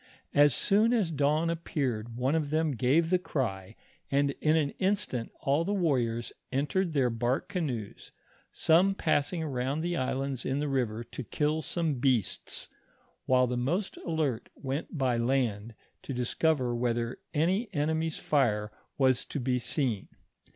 As soon as dawn appeared one of them gave the cry, and in an instant all the wamors entered their bark canoes, some passing around the islands in the river to kill some beasts, while the most alert went by land, to discover whether any enemy's fire was to be seen.